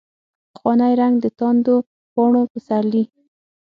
پخوانی رنګ، دتاندو پاڼو پسرلي